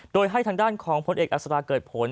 โดยให้ทางด้านของผลเอกอัศราเกิดผล